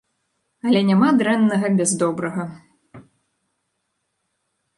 Але няма дрэннага без добрага.